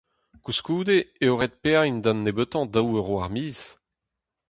Koulskoude eo ret paeañ d'an nebeutañ daou Euro ar miz.